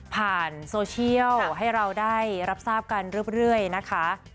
โซเชียลให้เราได้รับทราบกันเรื่อยนะคะ